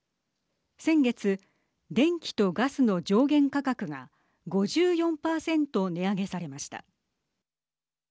先月、電気とガスの上限価格が５４％値上げされました。